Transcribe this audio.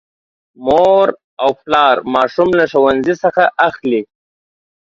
مور او پلا ماشوم له ښوونځي څخه اخلي.